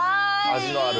味のある。